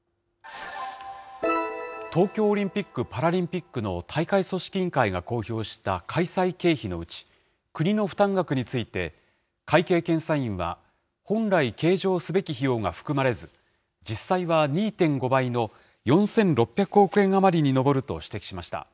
東京オリンピック・パラリンピックの大会組織委員会が公表した開催経費のうち、国の負担額について、会計検査院は、本来計上すべき費用が含まれず、実際は２．５倍の４６００億円余りに上ると指摘しました。